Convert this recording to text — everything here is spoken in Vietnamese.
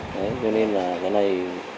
đấy cho nên là cái này